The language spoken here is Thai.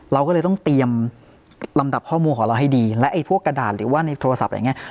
เราก็เลยต้องเตรียมลำดับข้อมูลของเราให้ดีและไอ้พวกกระดาษหรือว่าในโทรศัพท์อะไรอย่างเงี้